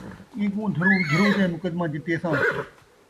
اینکوں دُھرو دُھرو تے مقدمہ جتیساں